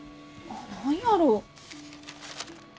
何やろう？